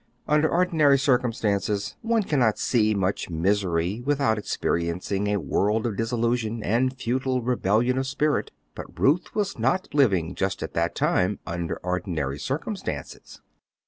Under ordinary circumstances one cannot see much misery without experiencing a world of disillusion and futile rebellion of spirit; but Ruth was not living just at that time under ordinary circumstances.